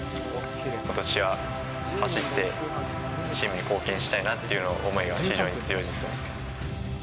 ことしは走って、チームに貢献したいなという思いが非常に強いですね。